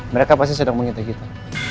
mereka pasti sedang menghitung kita